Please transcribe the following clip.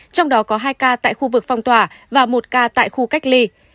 trong đó có hai ca tại khu vực phong tỏa và một ca tại khu cách ly